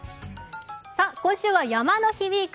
今週は「山の日ウィーク！